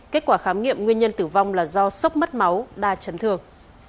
kết quả khám nghiệm nguyên nhân tử vong là do sốc mất máu đa chấn thương